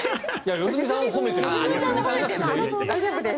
良純さんも褒めてます。